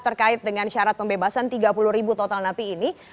terkait dengan syarat pembebasan tiga puluh ribu total napi ini